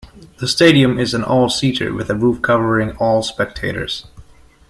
The stadium is an all-seater, with a roof covering all spectators.